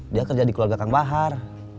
dia kerja di keluarga kang bahar